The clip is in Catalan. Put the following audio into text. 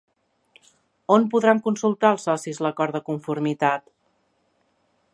On podran consultar els socis l'acord de conformitat?